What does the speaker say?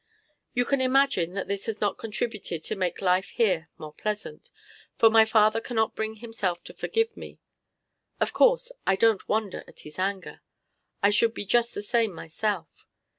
You can imagine that this has not contributed to make life here more pleasant, for my father cannot bring himself to forgive me. Of course, I don't wonder at his anger. I should be just the same myself.